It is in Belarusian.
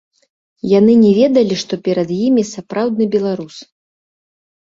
Яны не ведалі, што перад імі сапраўдны беларус.